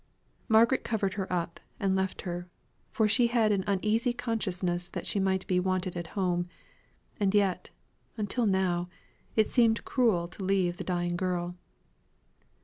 Margaret covered her up, and left her, for she had an uneasy consciousness that she might be wanted at home, and yet, until now, it seemed cruel to leave the dying girl.